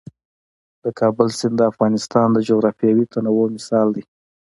د کابل سیند د افغانستان د جغرافیوي تنوع مثال دی.